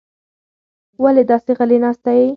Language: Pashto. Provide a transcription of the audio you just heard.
ولې داسې غلې ناسته یې؟